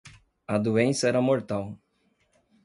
A doença era mortal.